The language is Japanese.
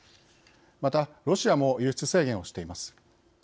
また、ロシアも輸出制限をしています。